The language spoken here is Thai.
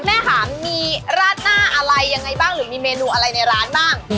แม่ค่ะมีราดหน้าอะไรยังไงบ้างหรือมีเมนูอะไรในร้านบ้าง